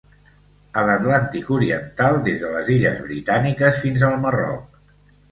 A l'Atlàntic Oriental, des de les Illes Britàniques fins al Marroc.